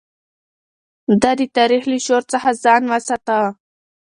ده د تاريخ له شور څخه ځان وساته.